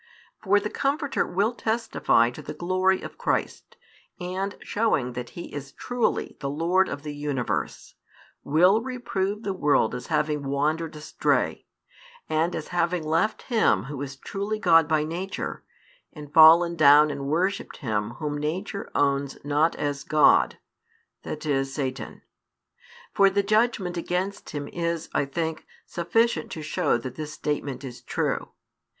For the Comforter will testify to the glory of Christ, and, showing that He is truly the Lord of the Universe, will reprove the world as having wandered astray, and as having left Him Who is truly God by Nature and fallen down and worshipped him whom Nature owns not as God, that is Satan. For the judgment against him is, I think, sufficient to show that this statement is true.